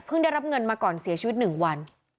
ได้รับเงินมาก่อนเสียชีวิต๑วัน